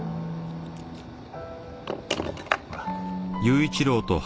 ほら。